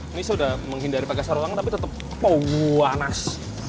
ini sudah menghindari bagasar ruangan tapi tetap panas